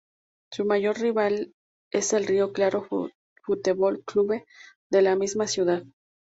Su mayor rival es el Rio Claro Futebol Clube de la misma ciudad.